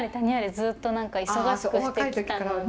ずっと何か忙しくしてきたので。